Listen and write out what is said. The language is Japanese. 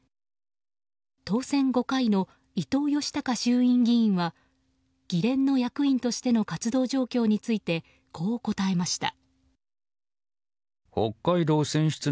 当選５回の伊東良孝衆院議員は議連の役員としての活動状況についてこう答えました。